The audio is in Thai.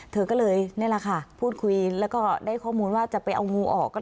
เธอก็เลยนี่แหละค่ะพูดคุยแล้วก็ได้ข้อมูลว่าจะไปเอางูออก